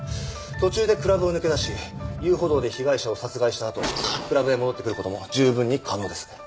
途中でクラブを抜け出し遊歩道で被害者を殺害したあとクラブへ戻ってくる事も十分に可能です。